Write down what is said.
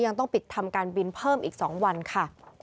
ยังต้องปิดทำการบินเพิ่มอีก๒วันค่ะ